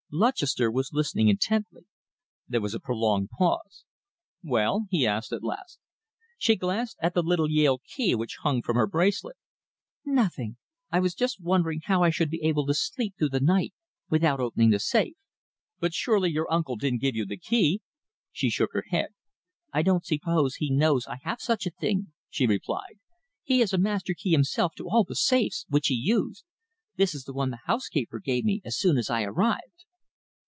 '" Lutchester was listening intently. There was a prolonged pause. "Well?" he asked, at last. She glanced at the little Yale key which hung from her bracelet. "Nothing! I was just wondering how I should be able to sleep through the night without opening the safe." "But surely your uncle didn't give you the key!" She shook her head. "I don't suppose he knows I have such a thing," she replied. "He has a master key himself to all the safes, which he used. This is one the housekeeper gave me as soon as I arrived."